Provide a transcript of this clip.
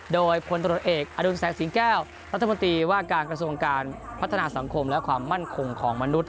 โดยพลตรวจเอกอดุลแสงสิงแก้วรัฐมนตรีว่าการกระทรวงการพัฒนาสังคมและความมั่นคงของมนุษย